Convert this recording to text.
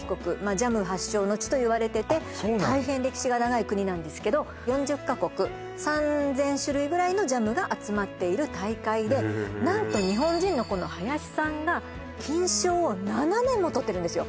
ジャム発祥の地といわれてて大変歴史が長い国なんですけど４０か国３０００種類ぐらいのジャムが集まっている大会で何と日本人のこの林さんが金賞を７年も取ってるんですよ